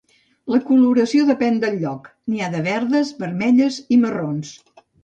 La coloració depèn del lloc: n'hi ha de verdes, vermelles i marrons.